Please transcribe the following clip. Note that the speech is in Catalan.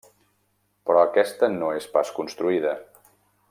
Però aquesta no és pas construïda.